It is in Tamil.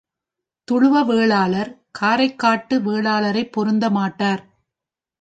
துளுவ வேளாளர் காரைக்காட்டு வேளாளரைப் பொருந்த மாட்டார்.